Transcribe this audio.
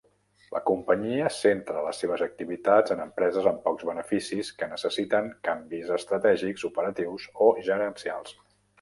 La companyia centre les seves activitats en empreses amb pocs beneficis que necessiten canvis estratègics, operatius o gerencials.